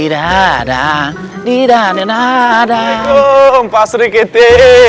waalaikumsalam pak sri kiti